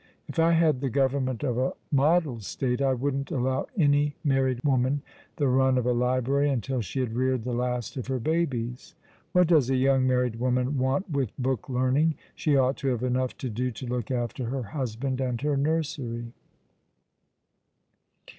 If I had the government of a model state I wouldn't allow any married woman the run of a library until she bad reared the last of her babies. "What does a young married woman want with book learn ing? She ought to have enough to do to look after her husband and her nursery."